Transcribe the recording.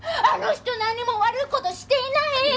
あの人何も悪い事していない！